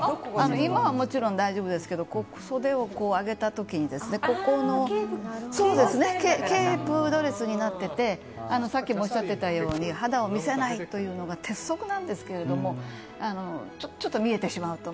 今はもちろん大丈夫ですが袖を上げた時にケープドレスになっててさっきもおっしゃっていたように肌を見せないというのが鉄則なんですけれどもちょっと見えてしまうと。